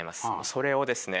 それをですね